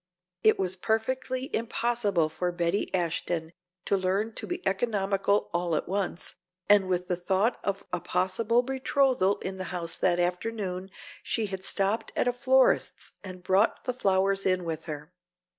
It was perfectly impossible for Betty Ashton to learn to be economical all at once, and with the thought of a possible betrothal in the house that afternoon she had stopped at a florist's and brought the flowers in with her.